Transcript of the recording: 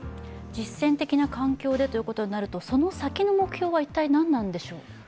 実戦的な環境でということになると、その先の目標は一体何なのでしょう？